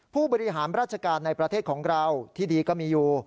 ผู้บริหารราชการในประเทศของเราที่ดีก็มีอยู่